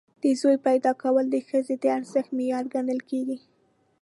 د زوی پیدا کول د ښځې د ارزښت معیار ګڼل کېږي.